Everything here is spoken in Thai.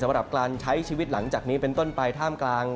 สำหรับการใช้ชีวิตหลังจากนี้เป็นต้นไปท่ามกลาง